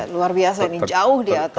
luar biasa ini jauh di atas